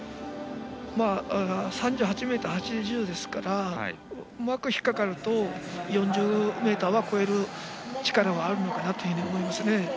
３８ｍ８０ですからうまく引っかかると４０ｍは超える力はあるのかなと思いますね。